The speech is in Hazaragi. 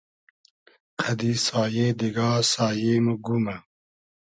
قئدی سایې دیگا سایې مۉ گومۂ